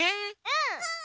うん。